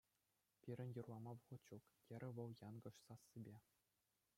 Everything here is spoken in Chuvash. Пирӗн юрлама вӑхӑт ҫук, — терӗ вӑл янкӑш сассипе.